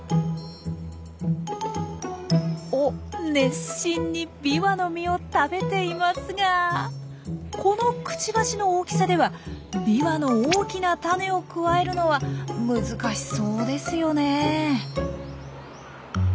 おっ熱心にビワの実を食べていますがこのくちばしの大きさではビワの大きな種をくわえるのは難しそうですよねえ。